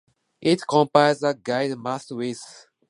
It comprises a guyed mast with antennas attached at various heights.